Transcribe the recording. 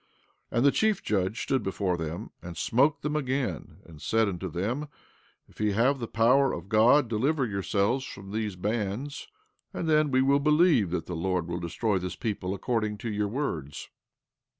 14:24 And the chief judge stood before them, and smote them again, and said unto them: If ye have the power of God deliver yourselves from these bands, and then we will believe that the Lord will destroy this people according to your words.